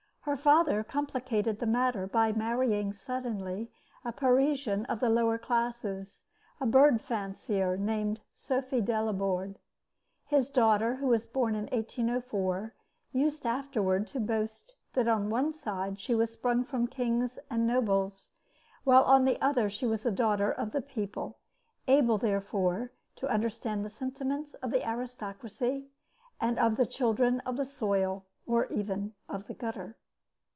Her father complicated the matter by marrying suddenly a Parisian of the lower classes, a bird fancier named Sophie Delaborde. His daughter, who was born in 1804, used afterward to boast that on one side she was sprung from kings and nobles, while on the other she was a daughter of the people, able, therefore, to understand the sentiments of the aristocracy and of the children of the soil, or even of the gutter.